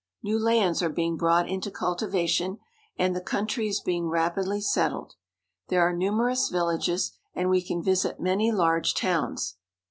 New lands are being brought into cultivation, and the country is being rapidly settled. There are numerous villages, and we can visit many large towns.